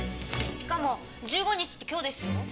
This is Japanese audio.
しかも１５日って今日ですよ。